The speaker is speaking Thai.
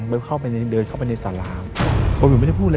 ไปเข้าไปในเดินเข้าไปในสาหร่างบัววิวไม่ได้พูดเลย